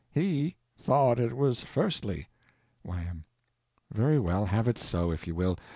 He thought it was firstly. Y.M. Very well, have it so, if you will.